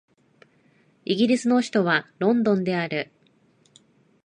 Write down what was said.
イギリスの首都はロンドンである